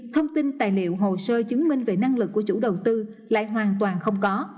thông tin tài liệu hồ sơ chứng minh về năng lực của chủ đầu tư lại hoàn toàn không có